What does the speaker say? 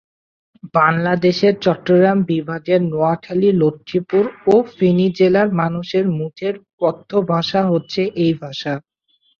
বাংলাদেশের চট্টগ্রাম বিভাগের নোয়াখালী, লক্ষ্মীপুর ও ফেনী জেলার মানুষের মুখের কথ্য ভাষা হচ্ছে এই ভাষা।